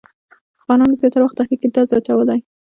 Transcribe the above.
خانانو زیاتره وخت تحریک کې درز اچولی.